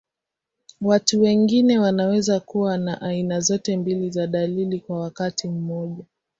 Watu wengine wanaweza kuwa na aina zote mbili za dalili kwa wakati mmoja.